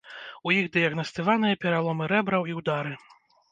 У іх дыягнаставаныя пераломы рэбраў і удары.